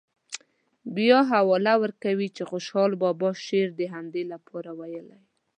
بیا حواله ورکوي چې خوشحال بابا شعر د همدې لپاره ویلی.